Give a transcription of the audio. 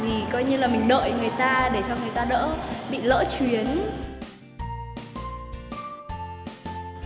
thì coi như là mình đợi người ta để cho người ta đỡ bị lỡ chuyến